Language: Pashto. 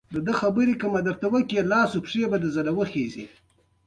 د اکثرو مقالو ټولګې،